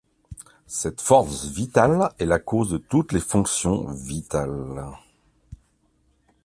Cette force vitale est la cause de toutes les fonctions vitales.